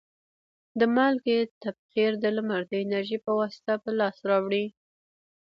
د مالګې تبخیر د لمر د انرژي په واسطه په لاس راوړي.